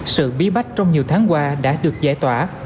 sự bí bách trong nhiều tháng qua đã được giải tỏa